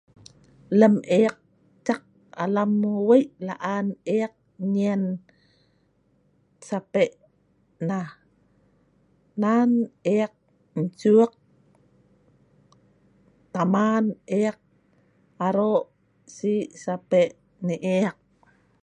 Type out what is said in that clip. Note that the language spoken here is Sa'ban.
Lem eek ciek alam, Wei laan eek nyien sape’ nah. Nan eek en suk Taman eek arok Si sape’wan eek.